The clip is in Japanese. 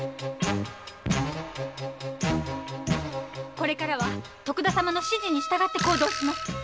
これからは徳田様の指示に従って行動します。